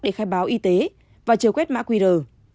để khai báo y tế và chờ quét mã quy rời